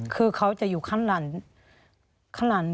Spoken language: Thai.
คือเขาจะอยู่ข้างหลัง